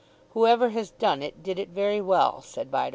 "Whoever has done it, did it very well," said Bideawhile.